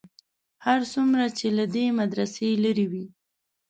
هر څومره چې له دې مدرسې لرې وې.